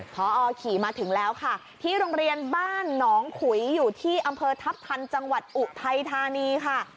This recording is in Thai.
พอขี่มาถึงแล้วค่ะที่โรงเรียนบ้านหนองขุยอยู่ที่อำเภอทัพทันจังหวัดอุทัยธานีค่ะ